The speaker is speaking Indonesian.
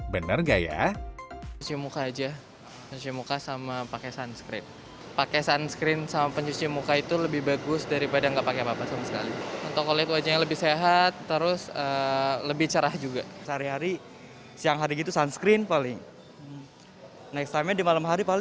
benar gak ya